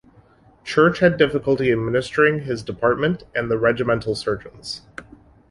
Church had difficulty administering his department, and the regimental surgeons.